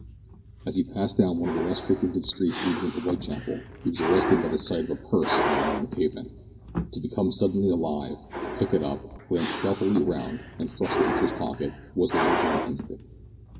As he passed down one of the less frequented streets leading into Whitechapel, he was arrested by the sight of a purse lying on the pavement. To become suddenly alive, pick it up, glance stealthily round, and thrust it into his pocket, was the work of an instant.